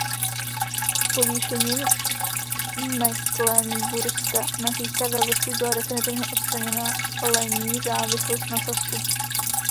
Povýšením Meklenburska na říšské vévodství byla definitivně odstraněna lenní závislost na Sasku.